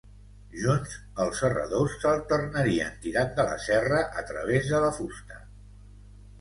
Junts, els serradors s'alternarien tirant de la serra a través de la fusta.